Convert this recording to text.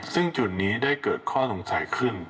ซึ่งจุดนี้ได้เกิดข้อสงสัยขึ้น